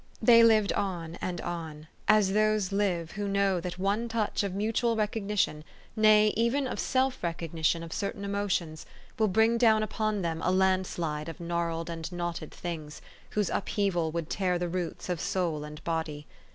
They lived on and on, as those live who know that one touch of mutual recognition, nay, even of self recognition of certain emotions, will bring down upon them a land slide of gnarled and knotted things, whose upheaval would tear the roots of soul and body.